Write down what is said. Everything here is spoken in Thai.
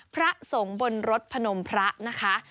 พระสงฆ์บนรถพนมพระนะคะ